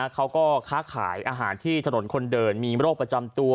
เขาก็ค้าขายอาหารที่ถนนคนเดินมีโรคประจำตัว